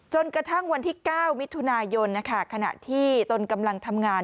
จนกระทั่งวันที่๙มิถุนายนขณะที่ตนกำลังทำงาน